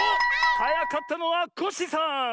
はやかったのはコッシーさん！